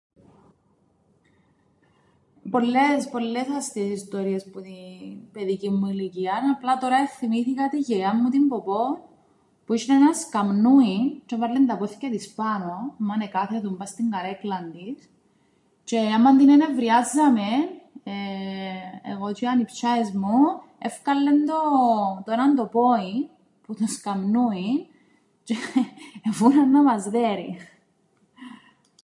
Πολλές πολλές αστείες ιστορίες που την παιδικήν μου ηλικίαν απλά τωρά εθθυμήθηκα την γιαγιάν μου την Ποπώ που είσ̆εν έναν σκαμνούιν τζ̆αι έβαλλεν τα πόθκια της πάνω άμαν εκάθετουν πά' στην καρέκλαν της τζ̆αι άμαν την ενευριάζαμεν εγώ τζ̆αι οι ανιψ̆ιάες μου έφκαλλεν το... το έναν το πόιν που το σκαμνούιν τζ̆αι εβούραν να μας δέρει.